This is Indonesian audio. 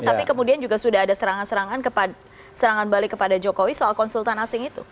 tapi kemudian juga sudah ada serangan serangan serangan balik kepada jokowi soal konsultan asing itu